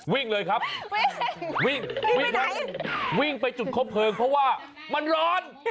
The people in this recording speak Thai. วิ่งเลยครับวิ่งวิ่งไปจุดคบเพลิงเพราะว่ามันร้อน